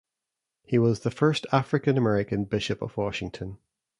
He was the first African-American Bishop of Washington.